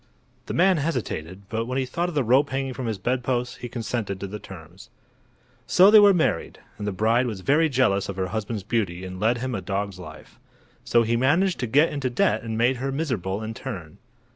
The man hesitated, but when he thought of the rope hanging from his bedpost he consented to the terms. So they were married, and the bride was very jealous of her husband's beauty and led him a dog's life. So he managed to get into debt and made her miserable in turn.